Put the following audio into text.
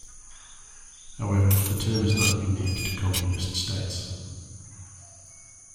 However, the term is not unique to communist states.